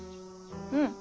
うん。